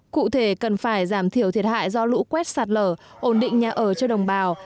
cụ thể cần phải giảm thiểu thiệt hại do lũ quét sạt lở ổn định nhà ở cho đồng bào